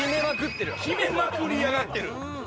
キメまくりやがってる！